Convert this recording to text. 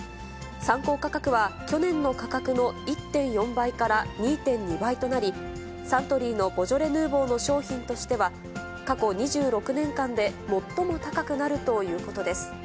参考価格は去年の価格の１．４倍から２．２倍となり、サントリーのボジョレ・ヌーボーの商品としては、過去２６年間で最も高くなるということです。